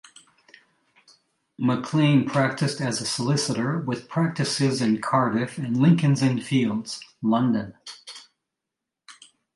Maclean practised as a solicitor with practices in Cardiff and Lincoln's Inn Fields, London.